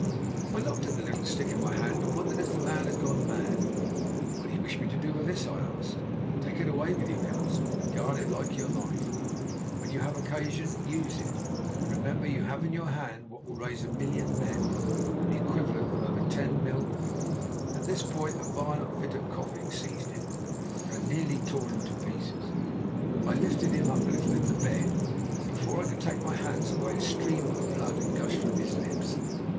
"I looked at the little stick in my hand and wondered if the man had gone mad. "'What do you wish me to do with this?' I asked. "'Take it away with you,' he answered, 'and guard it like your life, and when you have occasion, use it. Remember you have in your hand what will raise a million men and the equivalent of over ten mil ' "At this point a violent fit of coughing seized him and nearly tore him to pieces. I lifted him up a little in the bed, but before I could take my hands away a stream of blood had gushed from his lips.